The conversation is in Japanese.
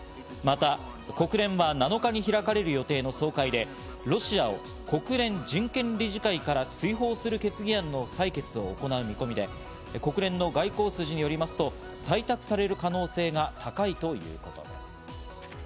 また国連は７日に開かれる予定の総会でロシアを国連人権理事会から追放する決議案の採決を行う見込みで、国連の外交筋によりますと、採択される可能性が高いということです。